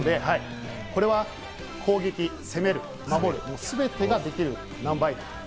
これは攻撃、攻める、守る、全てができるナンバー８。